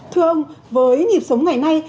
thưa ông với nhịp sống ngày nay